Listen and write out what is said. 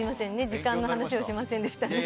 時間の話をしませんでしたね。